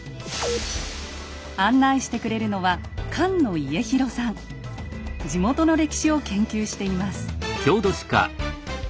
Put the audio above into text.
案内してくれるのは地元の歴史を研究しています。